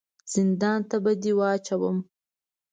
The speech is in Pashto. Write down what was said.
زندان ته به دي واچوم !